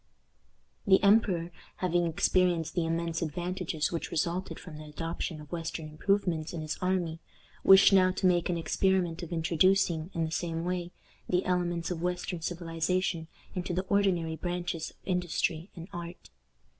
The emperor having experienced the immense advantages which resulted from the adoption of western improvements in his army, wished now to make an experiment of introducing, in the same way, the elements of western civilization into the ordinary branches of industry and art.